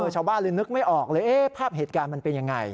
ชาวบ้านเลยนึกไม่ออกเลยภาพเหตุการณ์มันเป็นยังไง